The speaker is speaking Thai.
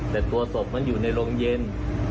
แต่ตัวศพมันอยู่ในโรงเย็น